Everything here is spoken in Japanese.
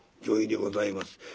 「御意でございます。